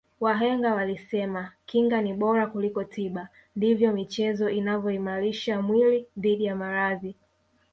wahenga walisema kinga ni bora kuliko tiba ndivyo michezo inavyoimalisha mwili dhidi ya maradhi